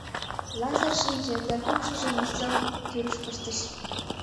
Лазыр шинче, теркупшыжым ӱстел тӱрыш пыштыш.